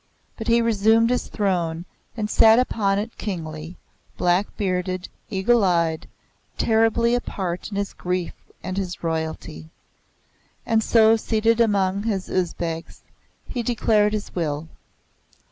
But he resumed his throne, and sat upon it kingly, black bearded, eagle eyed, terribly apart in his grief and his royalty; and so seated among his Usbegs, he declared his will.